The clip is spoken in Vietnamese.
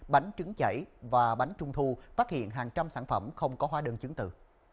bánh trứng chảy và bánh trung thu phát hiện hàng trăm sản phẩm không có hóa đơn chứng tử